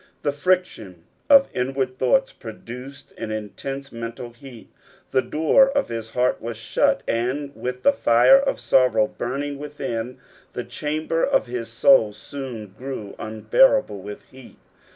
The friction of inward thoughts produced an intense mental heat. The door of his heart was shut, and with the fire of sorrow burning within, the chamber of his soul soon grew unbearable with heat.